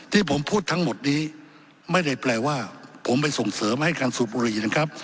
ที่ผมพูดทั้งหมดนี้ไม่ได้แปลว่าผมไปส่งเสริมให้การสูบบุรีนะครับ